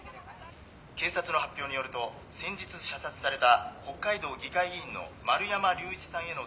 「警察の発表によると先日射殺された北海道議会議員の丸山隆一さんへの」